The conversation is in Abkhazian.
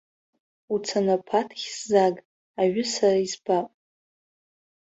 Уцаны аԥаҭхь сзааг, аҩы са избап!